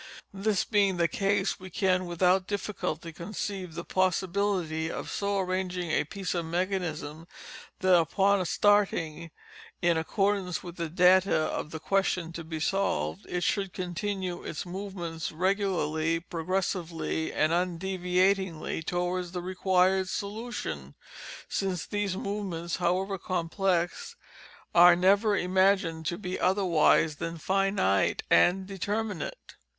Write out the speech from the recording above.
This being the case, we can without difficulty conceive the _possibility _of so arranging a piece of mechanism, that upon starting In accordance with the _data _of the question to be solved, it should continue its movements regularly, progressively, and undeviatingly towards the required solution, since these movements, however complex, are never imagined to be otherwise than finite and determinate.